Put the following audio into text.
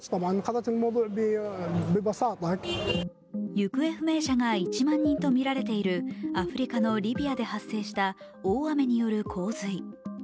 行方不明者が１万人とみられているアフリカのリビアで発生した大雨による洪水。